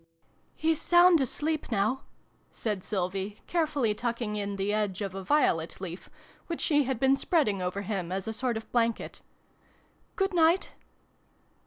He's sound asleep now," said Sylvie, care fully tucking in the edge of a violet leaf, which she had been spreading over him as a sort of blanket: "good night!"